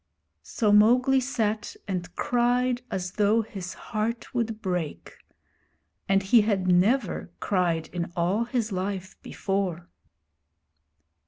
So Mowgli sat and cried as though his heart would break; and he had never cried in all his life before.